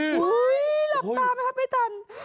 หุ้ยหลับตาไหมครับไอ้ตัน